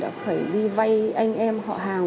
đã phải đi vay anh em họ hàng